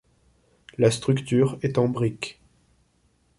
La structure est en brique.